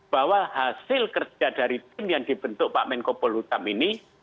bahwa hasil kerja dari tim yang dibentuk pak menko polhukam ini